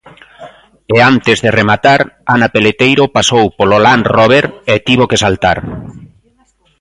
E antes de rematar, Ana Peleteiro pasou polo Land Rober e tivo que saltar.